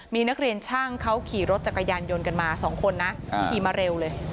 มีนักเรียนช่างเขาขี่รถจักรยานยนต์กันมา๒คนนะขี่มาเร็วเลย